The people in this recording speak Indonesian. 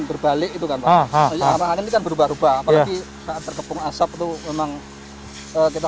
berbalik itu kan pak angin kan berubah ubah apalagi saat terkepung asap itu memang kita